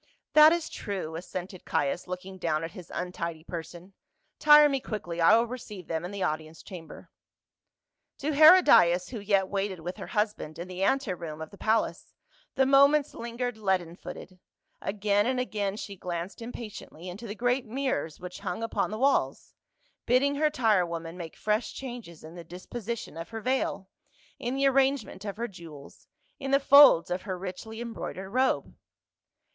"That is true," assented Caius, looking do%\'n at his untidy person. " Tire me quickly. I \\ ill receive them in the audience chamber." To Herodias, who yet waited \\"ith her husband in an ante room of the palace, the moments hngered leaden footed ; again and again she glanced impa tiently into the great mirrors which hung upon the walls, bidding her tire woman make fresh changes in the disposition of her veil, in the arrangement of her jewels, in the folds of her richly embroidered robe.